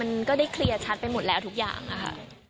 มันก็ได้เคลียร์ชัดไปหมดแล้วทุกอย่างค่ะ